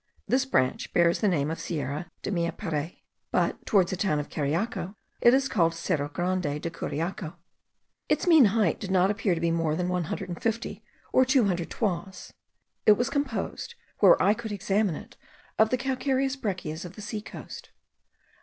This branch bears the name of Sierra de Meapire; but towards the town of Cariaco it is called Cerro Grande de Curiaco. Its mean height did not appear to be more than 150 or 200 toises. It was composed, where I could examine it, of the calcareous breccias of the sea coast.